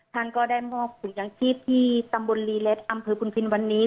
ท่านก็ได้มอบถุงยางชีพที่ตำบลลีเล็ดอำเภอพุนพินวันนี้